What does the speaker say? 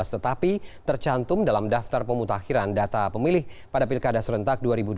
tetapi tercantum dalam daftar pemutakhiran data pemilih pada pilkada serentak dua ribu dua puluh